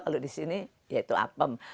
kalau di sini ya itu apem